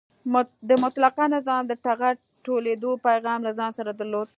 د مطلقه نظام د ټغر ټولېدو پیغام له ځان سره درلود.